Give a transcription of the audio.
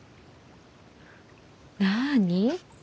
なあに？